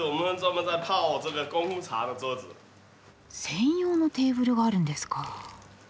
専用のテーブルがあるんですか。